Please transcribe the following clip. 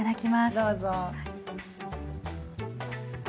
どうぞ。